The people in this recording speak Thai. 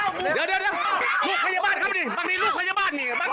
นี่บั้งนี้ลูกข้าข้าบ้านครับนี่นี่มันอีกลูกข้าลูกข้าบ้านครับ